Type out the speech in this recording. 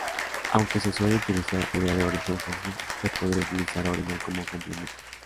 Aunque se suele utilizar Urea de origen fósil, se podría utilizar orina como complemento.